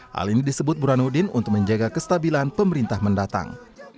hal ini disebut burhanuddin untuk menjaga kestabilan pemerintah mendatang